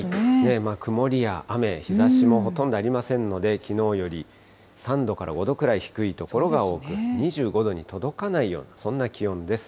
曇りや雨、日ざしもほとんどありませんので、きのうより３度から５度くらい低い所が多く、２５度に届かないような、そんな気温です。